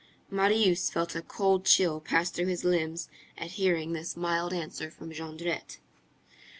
Marius felt a cold chill pass through his limbs at hearing this mild answer from Jondrette.